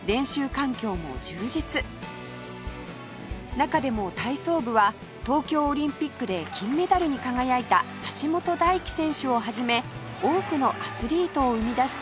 中でも体操部は東京オリンピックで金メダルに輝いた橋本大輝選手をはじめ多くのアスリートを生み出した強豪です